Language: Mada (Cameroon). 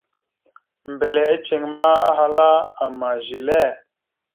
Mbile iceŋ ma, ahala: « Ama zile? ».